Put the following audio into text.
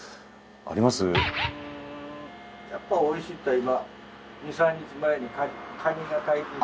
やっぱおいしいったら今。